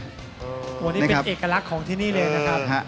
อันนี้เป็นเอกลักษณ์ของที่นี่เลยนะครับ